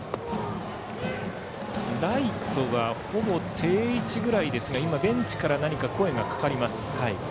ライトはほぼ定位置ぐらいですが今、ベンチから声がかかりました。